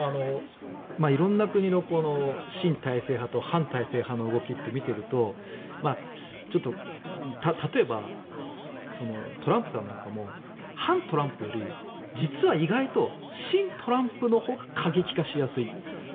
色んな国の親体制派と反体制派の動きを見ていると例えば、トランプさんなんかも反トランプより実は意外と親トランプのほうが過激化しやすい。